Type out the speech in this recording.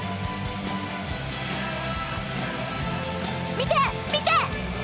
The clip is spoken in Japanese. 見て、見て！